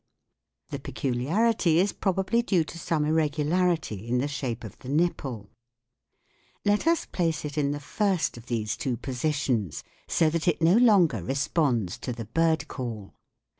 The peculiarity is probably due to some irregularity in the shape of the nipple. Let WHAT IS SOUND? us place it in the first of these two % positions so that it no longer responds to the bird call.